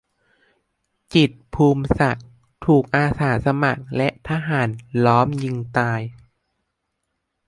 จิตร ภูมิศักดิ์ ถูกอาสาสมัครและทหารล้อมยิงตาย